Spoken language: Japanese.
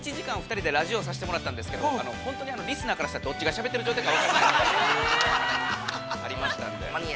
◆２人でラジオさせてもらったんですけど、本当にリスナーからしたら、どっちがしゃべっている状態か分からないというのがありましたんで。